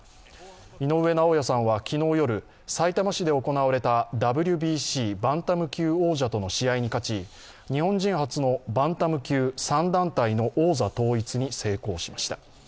井上尚弥さんは昨日夜、さいたま市で行われたＷＢＣバンタム級王者との試合に勝ち日本人初のバンタム級３団体の王座統一に成功しました。